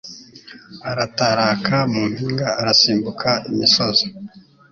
arataraka mu mpinga, arasimbuka imisozi